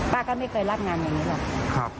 ป้าก็ไม่เคยรับงานอย่างนี้หรอก